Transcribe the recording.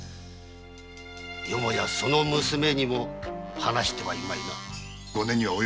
よもやその娘にも話してはいまいな？